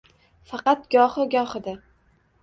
Faqat gohi goxida